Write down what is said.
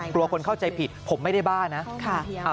กลัวคนเข้าใจผิดผมไม่ได้บ้านะ